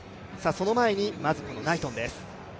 その前に、まずこのナイトンです。